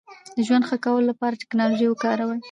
د ژوند ښه کولو لپاره ټکنالوژي وکاروئ.